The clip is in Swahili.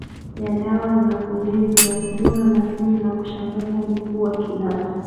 ya dawa za kulevyauzima lakini la kushangaza ni kuwa kiasi